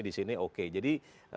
di sini oke jadi